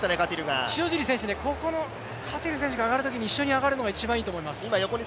尻選手、このカティル選手が上がるときに、一緒に上がるのが一番いいと思います。